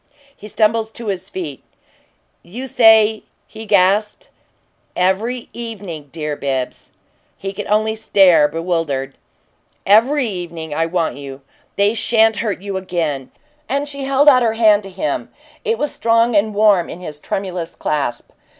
He stumbled to his feet. "You say " he gasped. "Every evening, dear Bibbs!" He could only stare, bewildered. "EVERY evening. I want you. They sha'n't hurt you again!" And she held out her hand to him; it was strong and warm in his tremulous clasp.